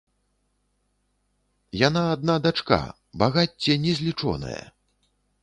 Яна адна дачка, багацце незлічонае.